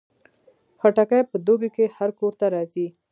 خټکی په دوبۍ کې هر کور ته راځي.